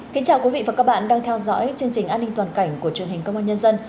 kính chào quý vị và các bạn đang theo dõi chương trình an ninh toàn cảnh của truyền hình công an nhân dân